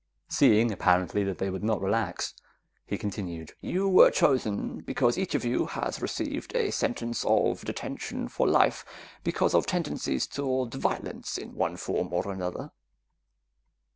Seeing, apparently, that they would not relax, he continued. "You were chosen because each of you has received a sentence of detention for life because of tendencies toward violence in one form or another.